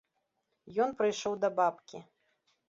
Ён прыйшоў да бабкі.